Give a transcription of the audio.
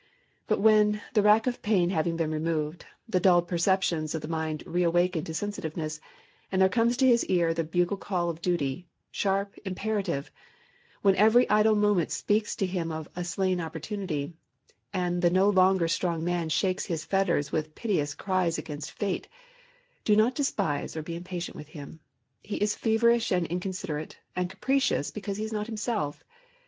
But when, the rack of pain having been removed, the dulled perceptions of the mind re awaken to sensitiveness, and there comes to his ear the bugle call of duty—sharp, imperative;—when every idle moment speaks to him of a slain opportunity, and the no longer strong man shakes his fetters with piteous cries against fate, do not despise, or be impatient with him. He is feverish and inconsiderate and capricious because he is not himself.